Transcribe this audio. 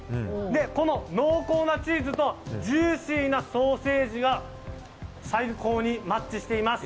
この濃厚なチーズとジューシーなソーセージが最高にマッチしています。